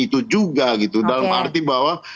itu juga gitu dalam arti bahwa